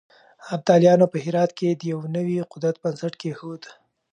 ابدالیانو په هرات کې د يو نوي قدرت بنسټ کېښود.